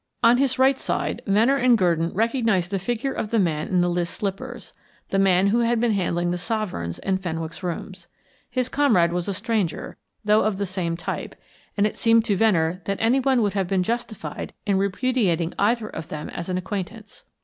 On his right side Venner and Gurdon recognised the figure of the man in the list slippers the man who had been handling the sovereigns in Fenwick's rooms. His comrade was a stranger, though of the same type, and it seemed to Venner that anyone would have been justified in repudiating either of them as an acquaintance.